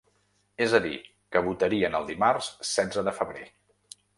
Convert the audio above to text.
És a dir, que votarien el dimarts setze de febrer.